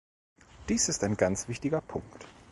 Dies ist ein ganz wichtiger Punkt.